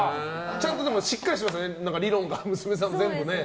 ちゃんとしっかりしてますね理論が、娘さん、全部ね。